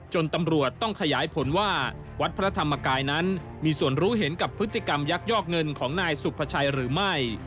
ตำรวจต้องขยายผลว่าวัดพระธรรมกายนั้นมีส่วนรู้เห็นกับพฤติกรรมยักยอกเงินของนายสุภาชัยหรือไม่